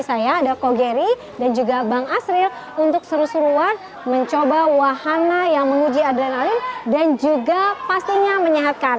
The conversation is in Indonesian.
saya ada kogery dan juga bang asril untuk seru seruan mencoba wahana yang menguji adrenalin dan juga pastinya menyehatkan